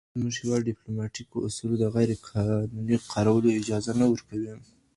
زموږ هېواد د ډیپلوماتیکو اصولو د غیرقانوني کارولو اجازه نه ورکوي.